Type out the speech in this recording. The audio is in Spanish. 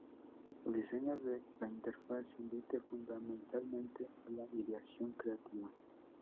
El diseño de la interfaz invite, fundamentalmente, a la ideación creativa.